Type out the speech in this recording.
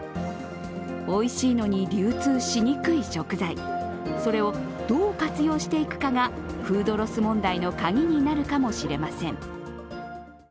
おいしいのに流通しにくい食材、それをどう活用していくかがフードロス問題のカギになるかもしれません。